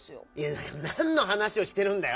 だから「なん」のはなしをしてるんだよ！